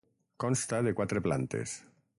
Consta de quatre plantes.